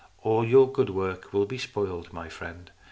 All your good work will be spoiled, my friend.